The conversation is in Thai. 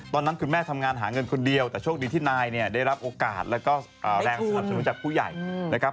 ตอนนั้นคุณแม่ทำงานหาเงินคนเดียวแต่โชคดีที่นายเนี่ยได้รับโอกาสแล้วก็แรงสนับสนุนจากผู้ใหญ่นะครับ